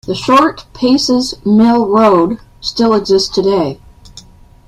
The short Paces Mill Road still exists today.